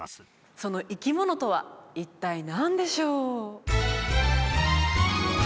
その生き物とは一体何でしょう？